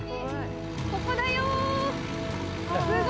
ここだよー。